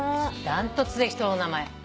断トツで「人の名前」